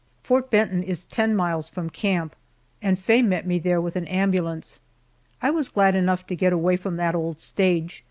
Fort Benton is ten miles from camp, and Faye met me there with an ambulance. I was glad enough to get away from that old stage.